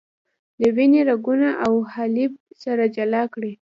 د وینې رګونه او حالب سره جلا کړئ.